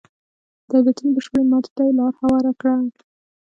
د دولتونو بشپړې ماتې ته یې لار هواره کړه.